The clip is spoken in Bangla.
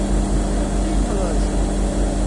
সত্যিই ভালো আছি।